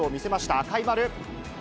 赤い丸。